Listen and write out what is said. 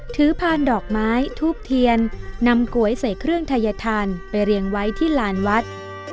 พานดอกไม้ทูบเทียนนำก๋วยใส่เครื่องทัยธานไปเรียงไว้ที่ลานวัด